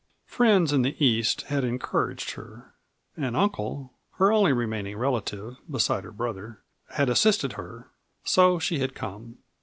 Friends in the East had encouraged her; an uncle (her only remaining relative, beside her brother) had assisted her. So she had come.